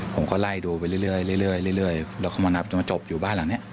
ผมก็ไล่ดูไปเรื่อยเรื่อยเรื่อยแล้วเขามานับมาจบอยู่บ้านหลังเนี่ย